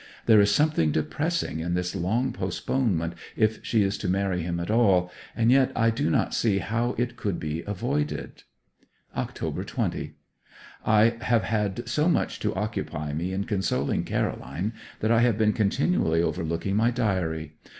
There is something depressing in this long postponement if she is to marry him at all; and yet I do not see how it could be avoided. October 20. I have had so much to occupy me in consoling Caroline that I have been continually overlooking my diary.